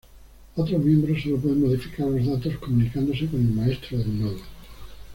Otros miembros solo pueden modificar los datos comunicándose con el maestro del nodo.